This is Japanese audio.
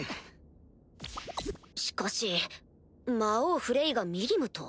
しかし魔王フレイがミリムと？